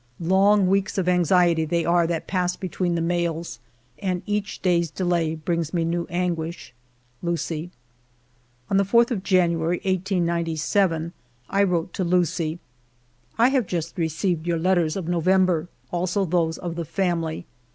Long weeks of anxiety they are that pass between the mails, and each day's delay brings me new anguish. ... L>> UCIE. On the 4th of January, 1 897, 1 wrote to Lucie :" I have just received your letters of Novem ber, also those of the family.